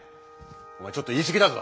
おまえちょっと言い過ぎだぞ！